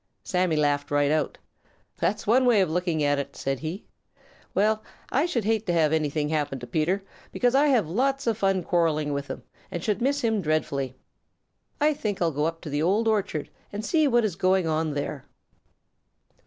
Sammy laughed right out. "That's one way of looking at it," said he. "Well, I should hate to have anything happen to Peter, because I have lots of fun quarreling with him and should miss him dreadfully. I think I'll go up to the Old Orchard and see what is going on there."